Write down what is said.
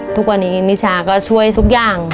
ทุกวันนี้นิชาก็ช่วยทุกอย่าง